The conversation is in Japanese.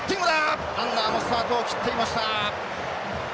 ランナーもスタートを切っていました。